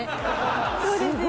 そうですよね。